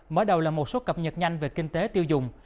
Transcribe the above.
mở đầu là một số cập nhật nhanh về kinh tế tiêu dùng